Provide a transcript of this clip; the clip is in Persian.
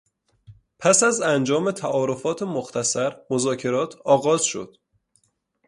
پس از انجام تعارفات مختصر مذاکرات آغاز شد.